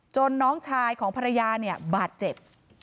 น้องชายของภรรยาเนี่ยบาดเจ็บ